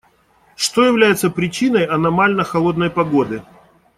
Что является причиной аномально холодной погоды?